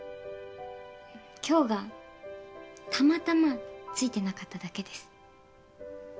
今日がたまたまついてなかっただけです。